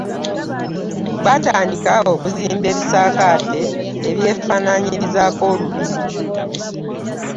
Baatandika okuzimba ebisaakaate ebyefaanaanyirizaako olubiri.